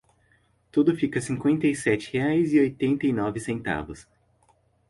Tudo fica cinquenta e sete reais e oitenta e nove centavos.